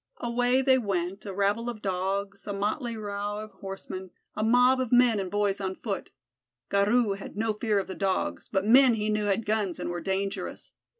Away they went, a rabble of Dogs, a motley rout of horsemen, a mob of men and boys on foot. Garou had no fear of the Dogs, but men he knew had guns and were dangerous.